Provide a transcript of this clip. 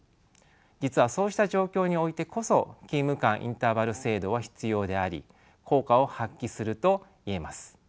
実はそうした状況においてこそ勤務間インターバル制度は必要であり効果を発揮すると言えます。